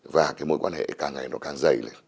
và cái mối quan hệ càng ngày nó càng dày lên